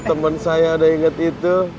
temen saya udah inget itu